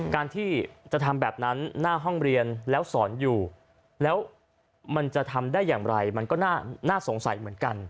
การที่จะทำแบบนั้นหน้าห้องเรียนแล้วสอนอยู่แล้วมันจะทำได้อย่างไรมันก็น่าสงสัยเหมือนกัน